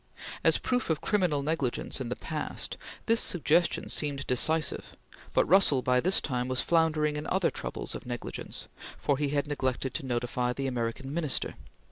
As proof of "criminal negligence" in the past, this suggestion seemed decisive, but Russell, by this time, was floundering in other troubles of negligence, for he had neglected to notify the American Minister.